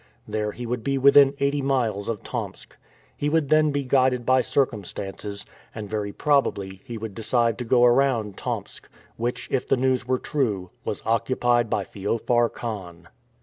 There he would be within eighty miles of Tomsk. He would then be guided by circumstances, and very probably he would decide to go around Tomsk, which, if the news were true, was occupied by Feofar Khan.